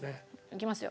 いきますよ。